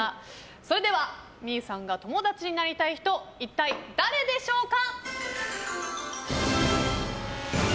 それでは望結さんが友達になりたい人一体、誰でしょうか。